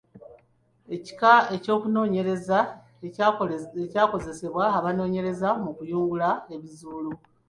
Ekika ky’okunoonyereza ekyakozesebwa abanoonyereza mu kuyungulula ebizuulo.